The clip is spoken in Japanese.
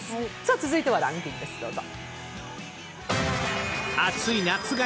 続いてはランキングです、どうぞ。